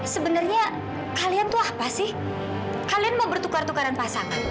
sebenarnya kalian tuh apa sih kalian mau bertukar tukaran pasangan